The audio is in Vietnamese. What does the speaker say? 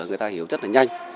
người ta hiểu rất là nhanh